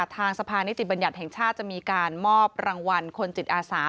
ทางสภานิติบัญญัติแห่งชาติจะมีการมอบรางวัลคนจิตอาสา